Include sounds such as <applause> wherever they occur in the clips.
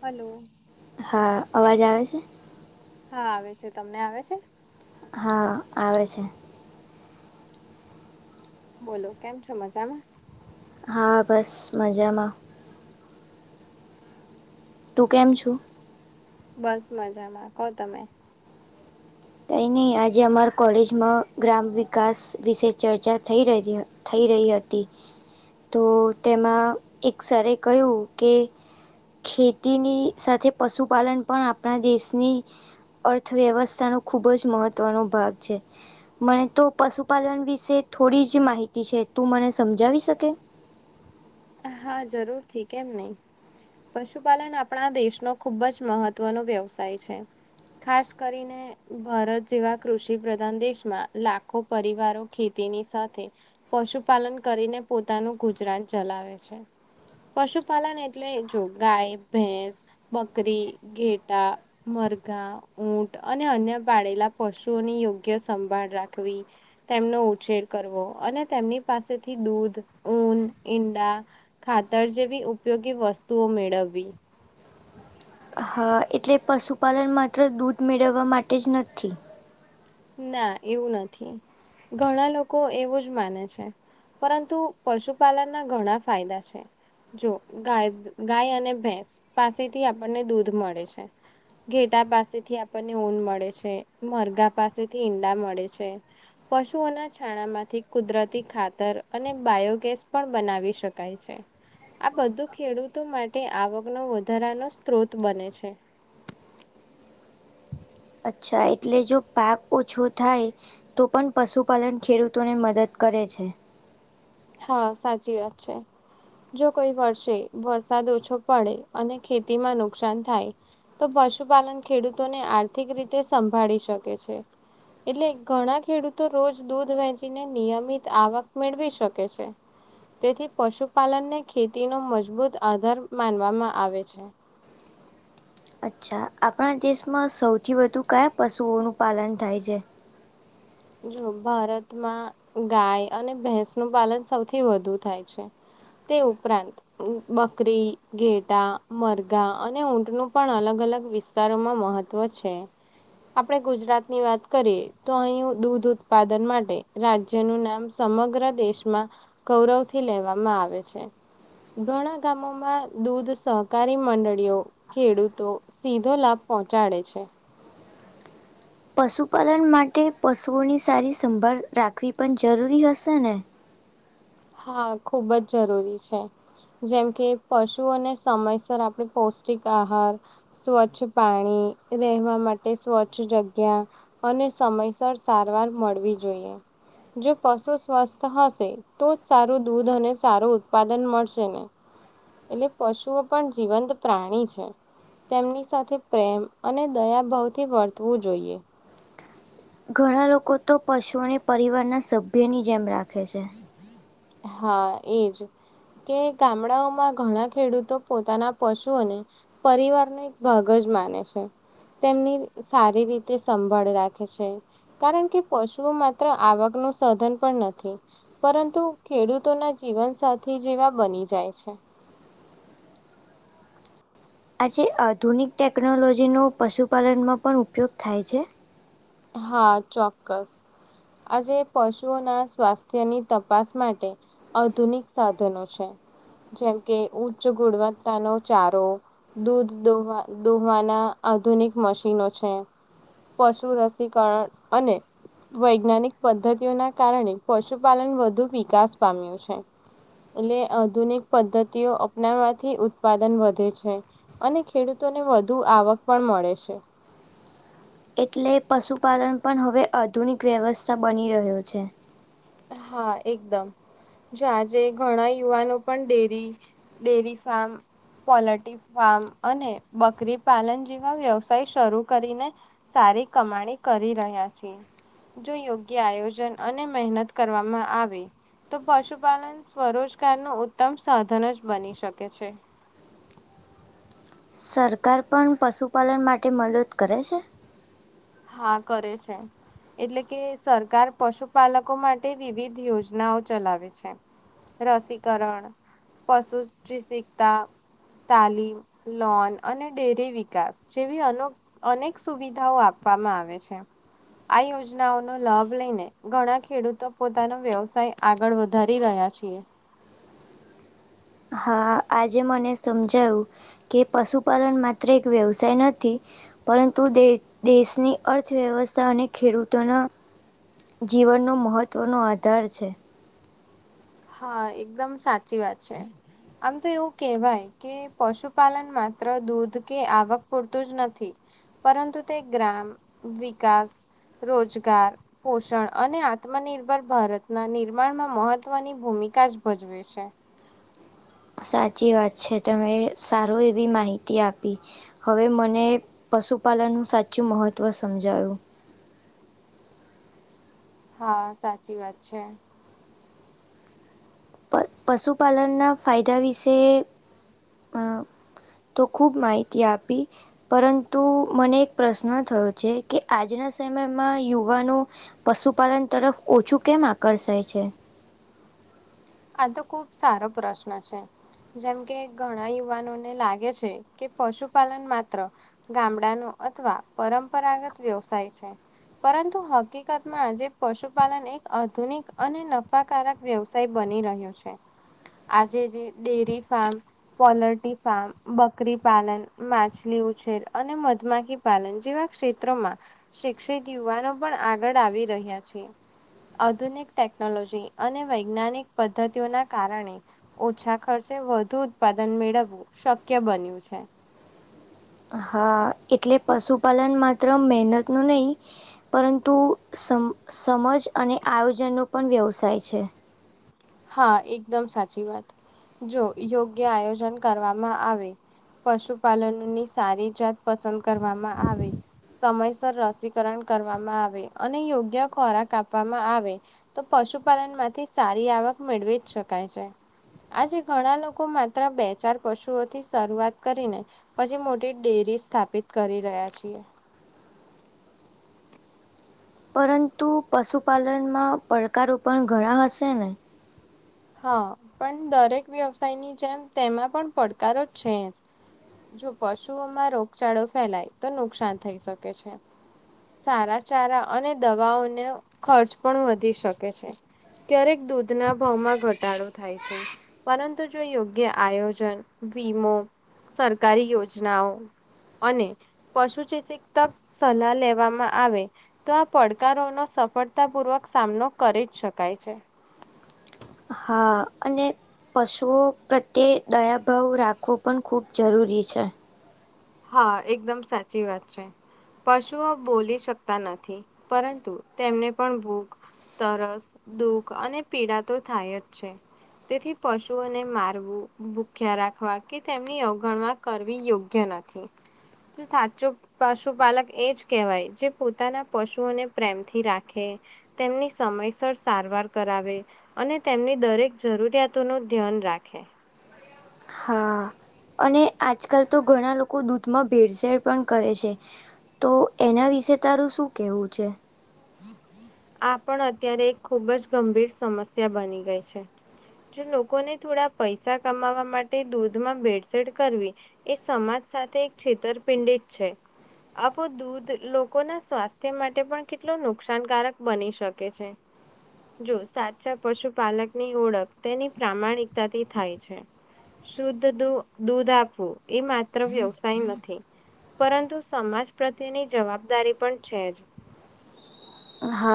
Hello! હા અવાજ આવે છે.? હા આવે છે તમને આવે છે.? હા આવે છે. બોલો કેમ છો મજામાં. હા બસ મજામાં. તું કેમ છુ. બસ મજામાં ક તમે. કઈ નહી આજે અમાર કોલેજમાં ગ્રામ વિકાસ વિશે ચર્ચા થઈ રહી હતી. થઈ રહી હતી તો તેમાં એક સર કહ્યું કે ખેતીની સાથે પશુપાલન પણ આપણા દેશની અર્થવ્યવસ્થાનો ખુબ જ મહત્વનો ભાગ છે. મને તો પશુપાલન વિશે થોડી જ માહિતી છે તું મને સમજાવી શકે. હા જરૂર થી કેમ નહી. પશુપાલન આપણા દેશનો ખુબ જ મહત્વનો વ્યવસાય છે. ખાસ કરીને. ભારત જેવા કૃષિ પ્રધાન દેશમાં લાખો પરિવારો ખેતીની સાથે પશુપાલન કરીને પોતાનું ગુજરાન ચલાવે છે. પશુપાલન એટલે જો ગાય ભેસ. બકરી ઘેટા. મરઘા ઊટ અને અન્ય પાળેલા પશુઓની યોગ્ય સંભાળ રાખવી. તેમનો ઉછેર કરવો અને તેમની પાસેથી દૂધ ઊન ઈંડા ખાતર જેવી ઉપયોગી વસ્તુઓ મેળવવી હા એટલે પશુપાલન માત્ર દૂધ મેળવવા માટે જ નથી. ના, એવું નથી. ઘણા લોકો એવું જ માને છે. પરંતુ પશુપાલનના ઘણા ફાયદા છે. જો ગાય અને ભેંસ પાસેથી આપણને દૂધ મળે છે. ઘેટાં પાસેથી આપણને ઊન મળે છે અને મરઘીઓ પાસેથી આપણને ઈંડાં મળે છે. પશુઓના છાણમાંથી કુદરતી ખાતર અને બાયોગેસ પણ બનાવી શકાય છે. આ બધું ખેડૂતો માટે આવકનો વધારાનો સ્ત્રોત બને છે. અચ્છા, એટલે જો પાક ઓછો થાય તો. તો પણ પશુપાલન ખેડૂતોને મદદ કરે છે. હા, સાચી વાત છે. જો કોઈ વર્ષે વરસાદ ઓછો પડે અને ખેતીમાં નુકસાન થાય, તો પણ પશુપાલન ખેડૂતોને આર્થિક રીતે મદદરૂપ બને છે. તો પશુપાલન ખેડૂતોને આર્થિક રીતે સંભાળી શકે છે. એટલે ઘણા ખેડૂતો રોજ દૂધ વેચીને નિયમિત આવક મેળવી શકે છે. કે છે. તેથી પશુપાલનને ખેતીનો મજબૂત આધાર માનવામાં આવે છે. અચ્છા, આપણા દેશમાં સૌથી વધુ કયા પશુઓનું પાલન થાય છે? જો ભારતમાં ગાય અને ભેંસ નું પાલન સૌથી વધુ થાય છે. તે ઉપરાંત. બકરી, ઘેટાં, મરઘાં અને ઊંટનું પણ અલગ-અલગ વિસ્તારોમાં પાલન કરવામાં આવે છે. વિસ્તારોમાં તેનું મહત્વ છે. આપણે ગુજરાતની વાત કરીએ તો અહીં... દૂધ ઉત્પાદન માટે ગુજરાત સમગ્ર દેશમાં ગૌરવથી લેવામાં આવે છે. ઘણા ગામોમાં દૂધ સહકારી મંડળીઓ કાર્યરત છે. ખેડૂતોને સીધો લાભ પહોંચાડે છે. પશુપાલન માટે પશુઓની સારી સંભાળ રાખવી પણ જરૂરી હોય છે ને? હા, ખૂબ જ જરૂરી છે. જેમ કે પશુઓને સમયસર પૌષ્ટિક આહાર. સ્વચ્છ પાણી અને રહેવા માટે સ્વચ્છ જગ્યા અને સમયસર સારવાર મળવી જોઈએ. જો પશુ સ્વસ્થ હશે... તો જ સારું દૂધ અને સારું ઉત્પાદન મળશે ને? એટલે પશુઓ પણ જીવંત પ્રાણી છે. તેમની સાથે પ્રેમ અને દયાભાવથી વર્તવું જોઈએ. ઘણા લોકો તો પશુઓને પરિવારના સભ્યની જેમ રાખે છે. હા, એ જ. કે ગામડાઓમાં ઘણા ખેડૂતો પોતાના પશુઓ ને પરિવારનો એક ભાગ જ માને છે. તેમની સારી રીતે સંભાળ રાખે છે. કારણ કે પશુઓ માત્ર આવકનું સાધન નથી. પરંતુ ખેડૂતોના જીવનસાથી જેવા બની જાય છે. આજે આધુનિક ટેકનોલોજીનો પશુપાલનમાં પણ ઉપયોગ થાય છે. હા, ચોક્કસ. આજે પશુઓના સ્વાસ્થ્યની તપાસ માટે... આધુનિક સાધનો છે જેમકે ઉચ્ચ ગુણવત્તાનો ચારો દૂધ દોહવા દોહવાના આધુનિક મશીનો છે અને પશુ રશ રસીકર અને. વૈજ્ઞાનિક પદ્ધતિઓના કારણે પશુપાલન વધુ વિકાસ પામ્યું છે. એટલે આધુનિક પદ્ધતિઓ અપનાવવાથી ઉત્પાદન વધે છે. અને ખેડૂતોને વધુ આવક પણ મળે છે. એટલે પશુપાલન પણ હવે આધુનિક વ્યવસાય બની રહ્યો છે. હા, એકદમ. જો, આજે ઘણા યુવાનો પણ dairy dairy farm poultry farm અને બકરી પાલન જેવા વ્યવસાય શરૂ કરીને સારી કમાણી કરી રહ્યા છે જો યોગ્ય આયોજન અને મહેનત કરવામાં આવે તો પશુપાલન સ્વરોજગાર નો ઉત્તમ સાધન જ બની શકે છે સરકાર પણ પશુપાલન માટે મદદ કરે છે હા કરે છે એટલે કે સરકાર પશુપાલકો માટે વિવિધ યોજનાઓ ચલાવે છે રસીકરણ પશુ <unintelligible> તાલીમ લોન અને ડેરી વિકાસ જેવી અનો અનેક સુવિધાઓ આપવામાં આવે છે આ યોજનાઓનો લાભ લઈને ઘણા ખેડૂતો પોતાનો વ્યવસાય આગળ વધારી રહ્યા છીએ હા આજે મને સમજાવું કે પશુપાલન માત્ર એક વ્યવસાય નથી પરંતુ દેશની અર્થવ્યવસ્થા અને ખેડૂતોન જીવનનો મહત્વનો આધાર છે હા એકદમ સાચી વાત છે આમ તો એવું કેવાય કે પશુપાલન માત્ર દૂધ કે આવક પૂરતું જ નથી પરંતુ તે ગ્રામ વિકાસ રોજગાર પોષણ અને આત્મનિર્ભર ભારતના નિર્માણમાં મહત્વ મહવ ની ભૂમિકા જ ભજવે છે સાચી વાત છે તમે સારું એવી માહિતી આપી હવે મને પશુપાલનનું સાચું મહત્ત્વ સમજાયું હા સાચી વાત છે પ પશુપાલનના ફાયદા વિશે અ <inaudible> તો ખુબ માહિતી આપી પરંતુ મને એક પ્રશ્ન થયો છે કે આજના સમયમાં યુવાનો પશુપાલન તરફ ઓછું કેમ આકર્ષાય છે આ તો ખુબ સારો પ્રશ્ન છે જેમ કે ઘણા યુવાનોને લાગે છે કે પશુપાલન માત્ર ગામડાનો અથવા પરંપરાગત વ્યવસાય છે પરંતુ હકીકતમાં આજે પશુપાલન એક આધુનિક અને નફાકારક વ્યવસાય બની રહ્યું છે આજે જે ડેરી ફાર્મ પોલ્ટ્રી ફાર્મ બકરી પાલન માછલી ઉછેર અને મધમાખી પાલન જેવા ક્ષેત્રો માં શિક્ષિત યુવાનો પણ આગળ આવી રહ્યા છે આધુનિક ટેકનોલોજી અને વૈજ્ઞાનિક પદ્ધતિઓના કારણે ઓછા ખર્ચે વધુ ઉત્પાદન મેળવવું શક્ય બન્યું છે હા એટલે પશુપાલન માત્ર મેનત નો નઈ પરંતુ સમ સમજ અને આયોજનનો પણ વ્યવસાય છે હા એકદમ સાચી વાત જો યોગ્ય આયોજન કરવામાં આવે પશુપાલનની સારી જાત પસંદ કરવામાં આવે સમયસર રસીકરણ કરવામાં આવે અને યોગ્ય ખોરાક આપવામાં આવે તો પશુપાલન માંથી સારી આવક મેળવી જ શકાય છે આજે ઘણા લોકો માત્ર બે ચાર પશુઓથી શરૂઆત કરીને પછી મોટી ડેરી સ્થાપિત કરી રહ્યા છીએ પરંતુ પશુપાલનમાં પડકારો પણ ઘણા હશે ને હા પણ દરેક વ્યવસાયની જેમ તેમાં પણ પડકારો છે જો પશુઓમાં રોગચાળો ફેલાય તો નુકસાન થઈ શકે છે સારા ચારા અને દવાઓને ખર્ચ પણ વધી શકે છે ક્યારેક દૂધના ભાવમાં ઘટાડો થાય છે પરંતુ જો યોગ્ય આયોજન વીમો સરકારી યોજનાઓ અને પશુચિકિત્સક સલાહ લેવામાં આવે તો આ પડકારો ન સફળતા પૂર્વક સામનો કરી જ શકાય. હા અને. પશુઓ પ્રત્યે દયાભાવ રાખવો પણ ખૂબ જરૂરી છે. હા એકદમ સાચી વાત છે. પશુઓ બોલી શકતા નથી પરંતુ તેમને પણ ભૂગ તરસ દુઃખ અને પીડા તો થાય જ છે. તેથી પશુઓને મારવું ભૂખ્યા રાખવા કે તેમની અવગણવા કરવી યોગ્ય નથી. તુ સાચો. પશુપાલક એ જ કહેવાય જે પોતાના પશુઓને પ્રેમથી રાખે તેમની સમયસર સારવાર કરાવે. અને તેમની દરેક જરૂરિયાતો નો ધ્યાન રાખે હા. અને આજકાલ તો ઘણા લોકો દૂધમાં ભેળસેેળ પણ કરે છે. તો એના વિશે તારું શું કહેવું છે. આ પણ અત્યારે એક ખુબ જ ગંભીર સમસ્યા બની ગઈ છે. જો લોકોને થોડા પૈસા કમાવા માટે દૂધમાં ભેળસેળ કરવી. એ સમાજ સાથે એક છેતરપિં છેતરપિંડી છે. આવો દૂધ લોકો ના સ્વાસ્થ્ય માટે પણ કે કેટલું નુકસાનકારક બની શકે છે. જો સાચા પશુપાલક ની ઓળખ તેની પ્રામાણિકતાથી થાય છે. શુદ્ધ દૂધ આપવું એ માત્ર વ્યવસાય નથી. પરંતુ સમાજ પ્રત્યેની જવાબદારી પણ છે.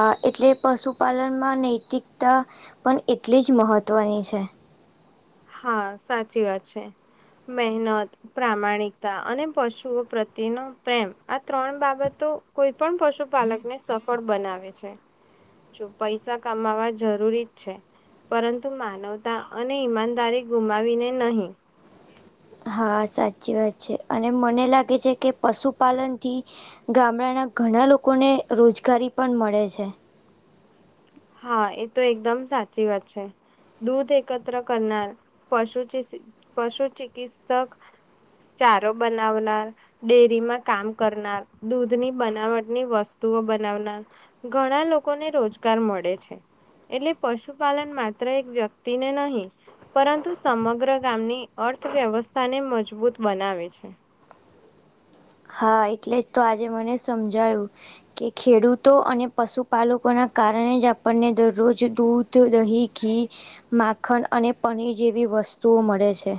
હા એટલે પશુપાલનમાં નૈતિકતા પણ એટલી જ મહત્ત્વની છે. હા સાચી વાત છે મહેનત પ્રામાણિકતા અને પશુઓ પ્રત્યેનો પ્રેમ આ ત્રણ બાબતો કોઈ પણ પશુપાલક ને સફળ બનાવે છે. પૈસા કમાવા જરૂરી જ છે પરંતુ માનવતા અને માન તારીખ ગુમાવીને નહીં. હા સાચી વાત છે અને મને લાગે છે કે પશુપાલનથી ગામડાના ઘણા લોકોને રોજગારી પણ મળે છે. હા એ તો એકદમ સાચી વાત છે. દૂધ એકત્ર કરનાર પશુ ચિકિ પશુ ચિકિત્સક ચારો બનાવનાર ડેરીમાં કામ કરનાર દૂધની બનાવટની વસ્તુઓ બનાવનાર ઘણા લોકોને રોજગાર મળે એટલે પશુપાલન માત્ર એક વ્યક્તિને નહી. પરંતુ સમગ્ર ગામની અર્થવ્યવસ્થાને મજબૂત બનાવે છે. હા એટલે તો આજે મને સમજાયું. કે ખેડૂતો અને પશુપાલકોના કારણે જ આપણને દરરોજ દૂધ તો દહીં ઘી માખણ અને પનીર જેવી વસ્તુઓ મળે છે.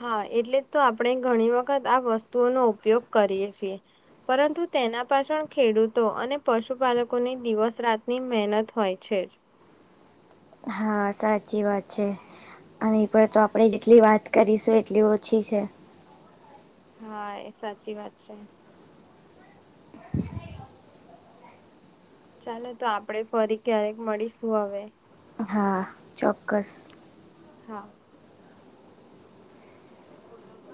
હા એટલે જ તો આપણે ઘણી વખત આ વસ્તુઓનો ઉપયોગ કરીએ છીએ. પરંતુ તેના પાછળ ખેડૂતો અને પશુપાલકોની દિવસ રાતની મહેનત હોય છે જ હા સાચી વાત છે અને એ પણ તો આપણે જેટલી વાત કરીશું એટલી ઓછી છે. હા એ સાચી વાત છે. ચાલો તો આપડે ફરી ક્યારેક મળીશું હવે હા. ચોક્કસ. હા. બોલો બઘ.